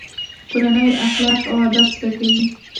کورنۍ اخلاق او ادب زده کوي.